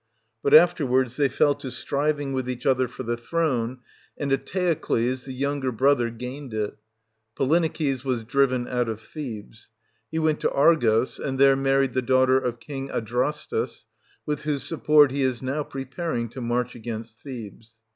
But afterwards they fell to striving with each other for the throne ; and Eteocles, the younger brother, gained it. Polyneices was driven out of Thebes, He went to Argos, and there married the daughter of King Adrastus ; with whose support he is now preparing to march against Thebes.